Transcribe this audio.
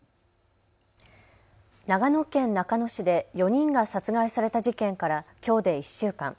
長野県中野市で４人が殺害された事件からきょうで１週間。